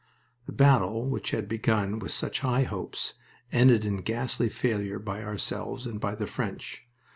The battle which had been begun with such high hopes ended in ghastly failure by ourselves and by the French.